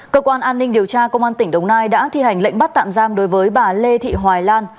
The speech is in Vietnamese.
cơ quan an ninh điều tra công an tỉnh đồng nai đã thi hành lệnh bắt tạm giam đối với bà lê thị hoài lan